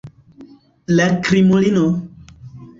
La krimulino!